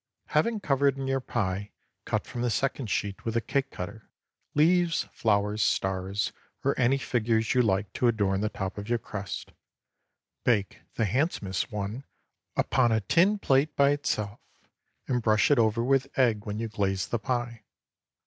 Having covered in your pie, cut from the second sheet with a cake cutter, leaves, flowers, stars, or any figures you like to adorn the top of your crust. Bake the handsomest one upon a tin plate by itself, and brush it over with egg when you glaze the pie.